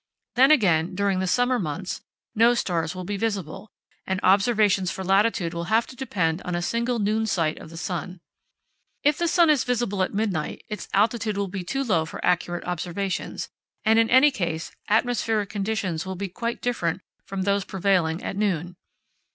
Then again, during the summer months, no stars will be visible, and observations for latitude will have to depend on a single noon sight of the sun. If the sun is visible at midnight its altitude will be too low for accurate observations, and in any case atmospheric conditions will be quite different from those prevailing at noon.